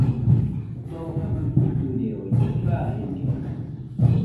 Too abɨ jiduireoide kajenia.